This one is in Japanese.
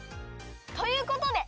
ということで